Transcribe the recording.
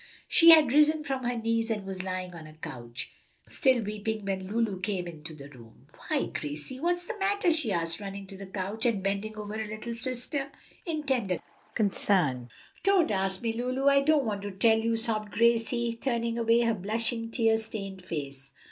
She had risen from her knees and was lying on a couch, still weeping, when Lulu came into the room. "Why, Gracie, what is the matter?" she asked, running to the couch and bending over her little sister in tender concern. "Don't ask me, Lulu, I don't want to tell you," sobbed Gracie, turning away her blushing, tear stained face.